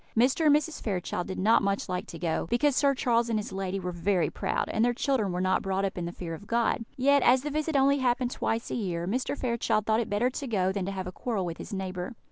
Mr. and Mrs. Fairchild did not much like to go, because Sir Charles and his lady were very proud, and their children were not brought up in the fear of God; yet, as the visit only happened twice a year, Mr. Fairchild thought it better to go than to have a quarrel with his neighbour.